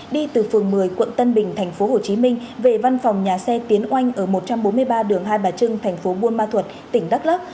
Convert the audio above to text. đi từ phường một mươi quận tân bình tp hcm về văn phòng nhà xe tiến oanh ở một trăm bốn mươi ba đường hai bà trưng tp bunma thuật tỉnh đắk lóc